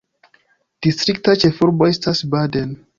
Distrikta ĉefurbo estas Baden.